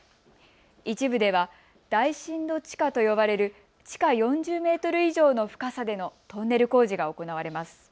一部では大深度地下と呼ばれる地下４０メートル以上の深さでのトンネル工事が行われます。